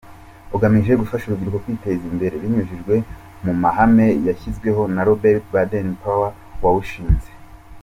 Ugamije gufasha urubyiruko kwiteza imbere binyujijwe mu mahame yashyizweho na Robert Baden Powel wawushinze.